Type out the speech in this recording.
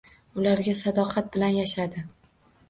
Ularga sadoqat bilan yashadi.